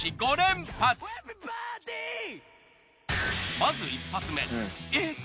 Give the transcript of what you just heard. まず一発目。